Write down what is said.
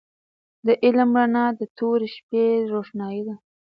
د علم رڼا تر تورې شپې روښانه ده.